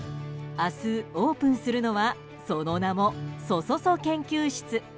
明日オープンするのはその名も、そそそ研究室。